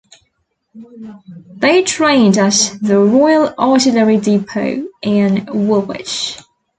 They trained at the Royal Artillery Depot in Woolwich.